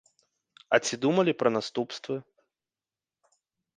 А ці думалі пра наступствы?